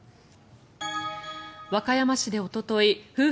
和歌山市でおととい夫婦